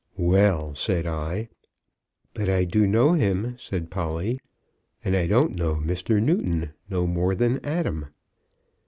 'Well!' said I. 'But I do know him,' said Polly, 'and I don't know Mr. Newton no more than Adam!'